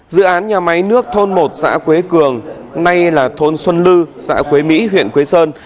dự án nhà máy nước thôn một xã quế cường nay là thôn xuân lư xã quế mỹ huyện quế sơn